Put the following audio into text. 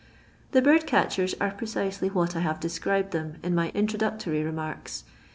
The bird catchen are precisely what I have deicribed them in my introductory remarks.